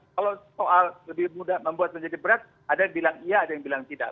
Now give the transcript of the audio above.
kalau soal lebih mudah membuat menjadi berat ada yang bilang iya ada yang bilang tidak